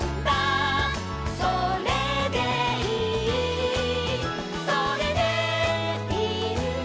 「それでいいんだ」